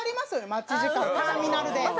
待ち時間ターミナルで。